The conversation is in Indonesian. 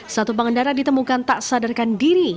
satu pengendara ditemukan tak sadarkan diri